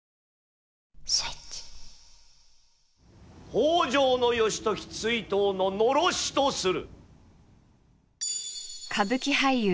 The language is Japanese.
北条義時追討の狼煙とする。